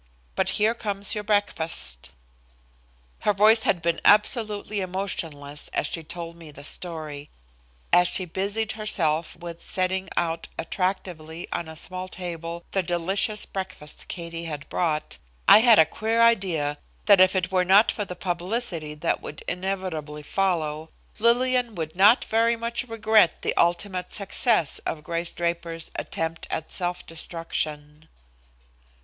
But here comes your breakfast." Her voice had been absolutely emotionless as she told me the story. As she busied herself with setting out attractively on a small table the delicious breakfast Katie had brought, I had a queer idea that if it were not for the publicity that would inevitably follow, Lillian would not very much regret the ultimate success of Grace Draper's attempt at self destruction.